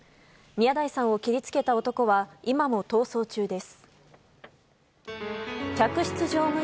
宮台さんを切りつけた男は今も逃走中です。